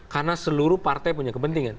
karena seluruh partai punya kepentingan